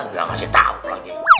gak ngasih tau lagi